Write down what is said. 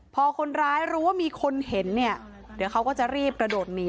พอคนร้ายรู้ว่ามีคนเห็นเนี่ยเดี๋ยวเขาก็จะรีบกระโดดหนี